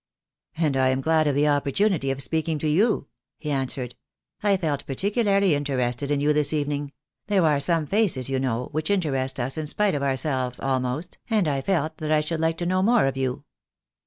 "And I am glad of the opportunity of speaking to you," he answered. "I felt particularly interested in you this evening — there are some faces, you know, which in terest us in spite of ourselves almost, and I felt that I should like to know more of you."